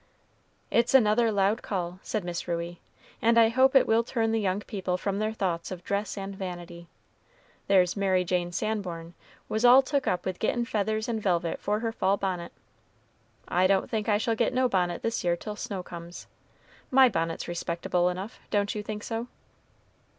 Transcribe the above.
"It's another loud call," said Miss Ruey, "and I hope it will turn the young people from their thoughts of dress and vanity, there's Mary Jane Sanborn was all took up with gettin' feathers and velvet for her fall bonnet. I don't think I shall get no bonnet this year till snow comes. My bonnet's respectable enough, don't you think so?"